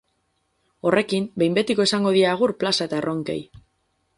Horrekin behin betiko esango die agur plaza eta erronkei.